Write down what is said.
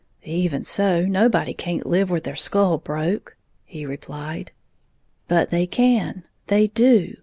"Even so, nobody can't live with their skull broke," he replied. "But they can, they do!